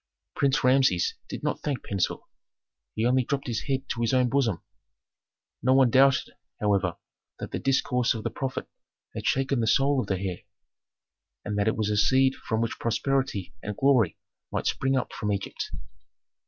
Prince Rameses did not thank Pentuer, he only dropped his head to his own bosom. No one doubted, however, that the discourse of the prophet had shaken the soul of the heir, and that it was a seed from which prosperity and glory might spring up for Egypt.